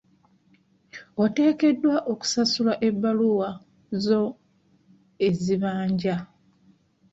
Oteekeddwa okusasula ebbaluwa zo ezibanja.